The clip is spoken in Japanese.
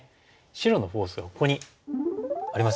白のフォースがここにありますよね。